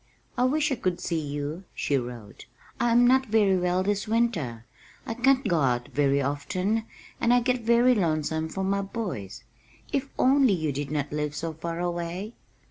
"I wish I could see you," she wrote. "I am not very well this winter, I can't go out very often and I get very lonesome for my boys. If only you did not live so far away!"